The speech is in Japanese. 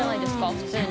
普通に。